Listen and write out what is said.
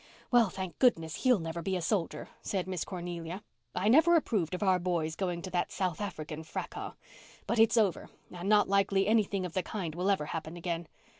"Well, thank goodness, he'll never be a soldier," said Miss Cornelia. "I never approved of our boys going to that South African fracas. But it's over, and not likely anything of the kind will ever happen again.